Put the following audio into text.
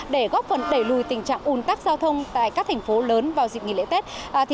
để góp phần đẩy lùi tình trạng ủn tắc giao thông tại các thành phố lớn vào dịp nghỉ lễ tết